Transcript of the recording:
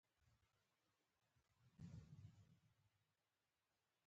تر ستوني پورې پوروړي دي.